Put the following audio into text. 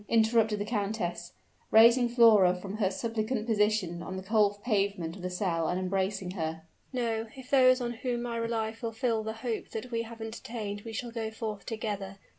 interrupted the countess, raising Flora from her suppliant position on the cold pavement of the cell, and embracing her. "No, if those on whom I rely fulfill the hope that we have entertained we shall go forth together.